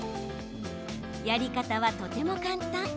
やり方はとても簡単。